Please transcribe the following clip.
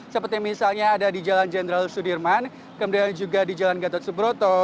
seperti misalnya ada di jalan jenderal sudirman kemudian juga di jalan gatot subroto